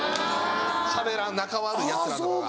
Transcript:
しゃべらん仲悪いヤツらとかが。